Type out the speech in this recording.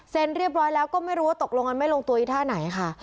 เรียบร้อยแล้วก็ไม่รู้ว่าตกลงกันไม่ลงตัวอีท่าไหนค่ะ